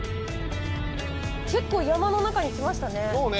結構山の中に来ましたね。